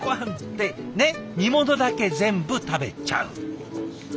煮物だけ全部食べちゃう。